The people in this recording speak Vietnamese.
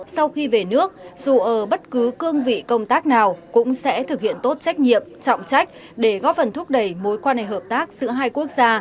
sau khi về nước dù ở bất cứ cương vị công tác nào cũng sẽ thực hiện tốt trách nhiệm trọng trách để góp phần thúc đẩy mối quan hệ hợp tác giữa hai quốc gia